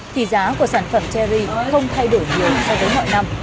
thì giá của sản phẩm cherry không thay đổi nhiều so với mọi năm